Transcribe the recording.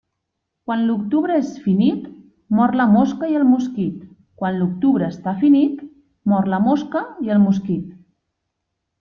Quan l'octubre és finit, mor la mosca i el mosquit Quan l'octubre està finit, mor la mosca i el mosquit.